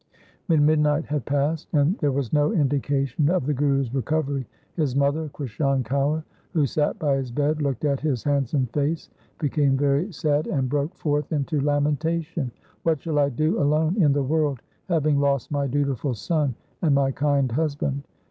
When midnight had passed and there was no indication of the Guru's recovery, his mother, Krishan Kaur, who sat by his bed, looked at his handsome face, became very sad, and broke forth into lamentation —' What shall I do alone in the world having lost my dutiful son and my kind husband.